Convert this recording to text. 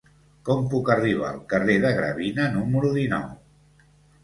Com puc arribar al carrer de Gravina número dinou?